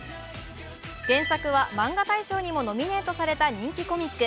原作はマンガ大賞にもノミネートされた人気コミック。